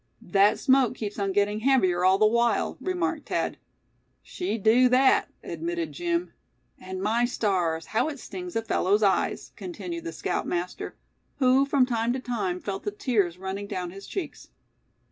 "That smoke keeps on getting heavier all the while," remarked Thad. "She dew thet," admitted Jim. "And my stars, how it stings a fellow's eyes," continued the scoutmaster, who from time to time felt the tears running down his cheeks.